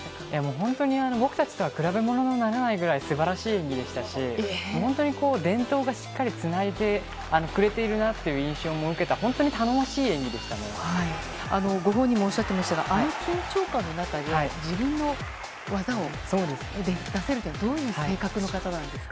本当に僕たちとは比べものにならないぐらい素晴らしい演技でしたし本当に伝統がしっかりつないでくれているなという印象も受けたご本人もおっしゃっていましたがあの緊張感で自分の技を出せるというのはどういう性格の方なんですか？